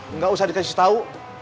enggak usah dikasih tahu